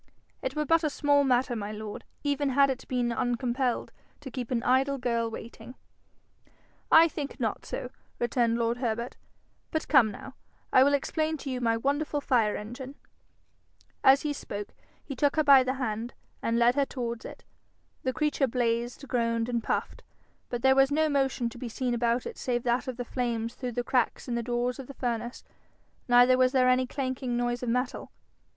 'It were but a small matter, my lord, even had it been uncompelled, to keep an idle girl waiting.' 'I think not so,' returned lord Herbert. 'But come now, I will explain to you my wonderful fire engine.' As he spoke, he took her by the hand, and led her towards it. The creature blazed, groaned, and puffed, but there was no motion to be seen about it save that of the flames through the cracks in the door of the furnace, neither was there any clanking noise of metal.